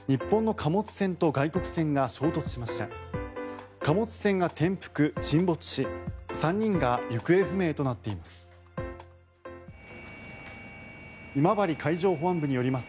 貨物船が転覆・沈没し３人が行方不明となっています。